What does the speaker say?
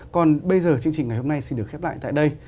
còn bây giờ chương trình ngày hôm nay xin được khép lại tại đây